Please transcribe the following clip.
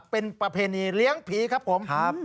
เป็นประเพณีเลี้ยงผีครับผม